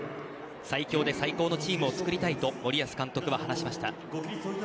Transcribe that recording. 最強で最高のチームを作りたいと森保監督は話しました。